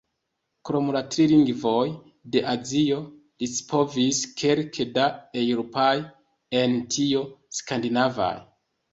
Krom la tri lingvoj de Azio li scipovis kelke da eŭropaj, en tio skandinavaj.